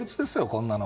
こんなの。